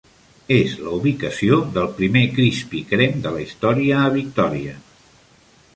És la ubicació del primer Krispy Kreme de la història a Victòria.